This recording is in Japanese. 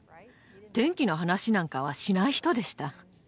天気の話なんかはしない人でした。